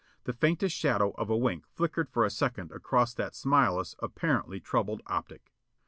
The faintest shadow of a wink flickered for a second across that smileless, apparently troubled optic.